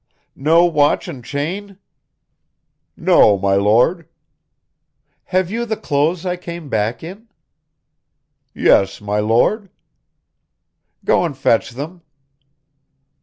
"No watch and chain?" "No, my Lord." "Have you the clothes I came back in?" "Yes, my Lord." "Go and fetch them."